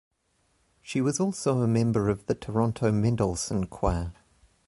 She was also a member of the Toronto Mendelssohn Choir.